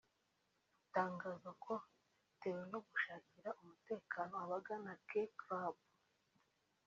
butangaza ko bitewe no gushakira umutekano abagana K-Club